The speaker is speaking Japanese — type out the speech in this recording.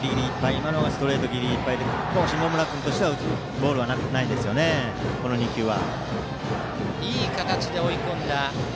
今のはストレートギリギリいっぱいで下村君としては打てるボールではないですね、この２球は。